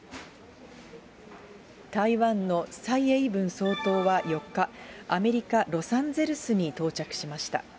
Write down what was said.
台湾の蔡英文総統は４日、アメリカ・ロサンゼルスに到着しました。